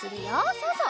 そうそう！